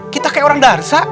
kita kayak orang darsa